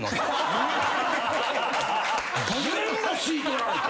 全部吸い取られて。